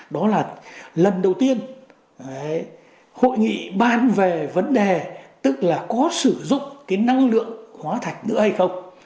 đó là lần đầu tiên hội nghị ban về vấn đề tức là có sử dụng cái năng lượng hóa thạch nữa hay không